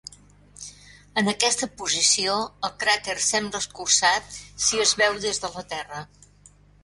En aquesta posició el cràter sembla escurçat si es veu des de la Terra.